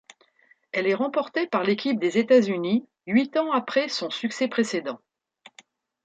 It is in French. Elle est remportée par l'équipe des États-Unis, huit ans après son succès précédent.